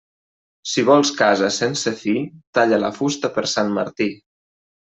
Si vols casa sense fi, talla la fusta per Sant Martí.